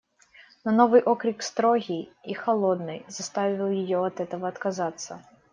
Но новый окрик, строгий и холодный, заставил ее от этого отказаться.